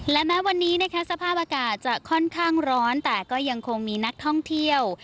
และแม้วันนี้นะคะสภาพอากาศจะค่อนข้างร้อนแต่ก็ยังคงมีนักท่องเที่ยว